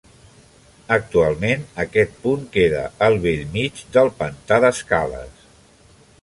Actualment aquest punt queda al bell mig del Pantà d'Escales.